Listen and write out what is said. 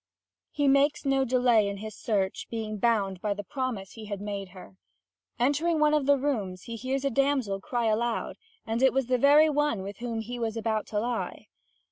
He makes no delay in his search, being bound by the promise he had made her. Entering one of the rooms, he hears a damsel cry aloud, and it was the very one with whom he was about to lie.